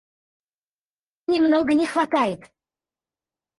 Немного не хватает.